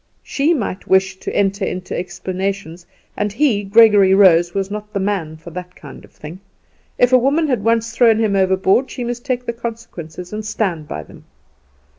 She might wish to enter into explanations, and he, Gregory Rose, was not the man for that kind of thing. If a woman had once thrown him overboard she must take the consequences, and stand by them.